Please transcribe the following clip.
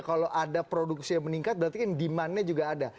kalau ada produksi yang meningkat berarti kan demandnya juga ada